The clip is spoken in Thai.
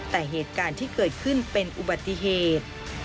แต่เหตุการณ์ที่เกิดขึ้นเป็นอุบัติเหตุ